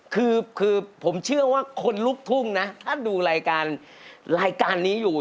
คือผมเชื่อว่าคนลุกทุ่งนะถ้าดูรายการรายการนี้อยู่